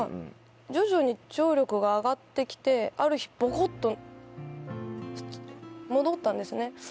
徐々に聴力が上がって来てある日ボコっと戻ったんですね。